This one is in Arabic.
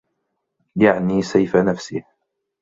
يَعْنِي سَيْفَ نَفْسِهِ